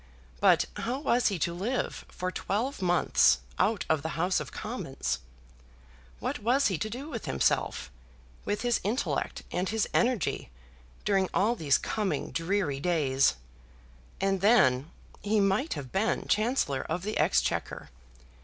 But how was he to live for twelve months out of the House of Commons? What was he to do with himself, with his intellect and his energy, during all these coming dreary days? And then, he might have been Chancellor of the Exchequer!